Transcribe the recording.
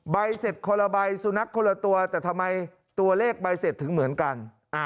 ใบเสร็จคนละใบสุนัขคนละตัวแต่ทำไมตัวเลขใบเสร็จถึงเหมือนกัน